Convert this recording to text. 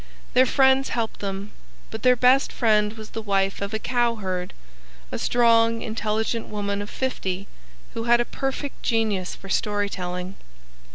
Their friends helped them, but their best friend was the wife of a cowherd, a strong, intelligent woman of fifty, who had a perfect genius for storytelling.